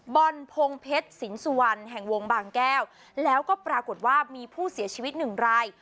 บอลพงเพชรสินสุวรรณแห่งวงบางแก้วแล้วก็ปรากฏว่ามีผู้เสียชีวิตหนึ่งราย